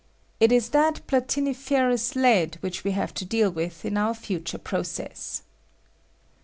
It ia that platiniferous lead which we have to deal with in our future proeeaa.